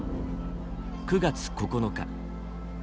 ９月９日。